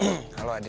oh imaulah desa dia